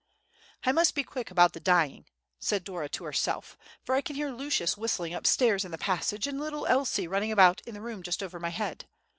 "I must be quick about the dyeing," said Dora to herself, "for I can hear Lucius whistling up stairs in the passage, and little Elsie running about in the room just over my head.